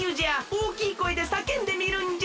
おおきいこえでさけんでみるんじゃ。